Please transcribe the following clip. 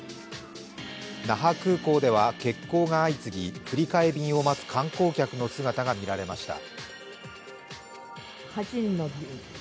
那覇空港では、欠航が相次ぎ振り替え便を待つ観光客の姿が見られました。